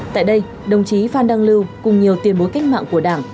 tại đây đồng chí phan đăng lưu cùng nhiều tiền bối cách mạng của đảng